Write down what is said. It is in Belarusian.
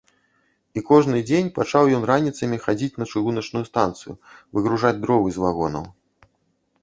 І кожны дзень пачаў ён раніцамі хадзіць на чыгуначную станцыю выгружаць дровы з вагонаў.